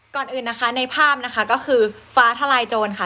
ก่อนอื่นนะคะในภาพนะคะก็คือฟ้าทลายโจรค่ะ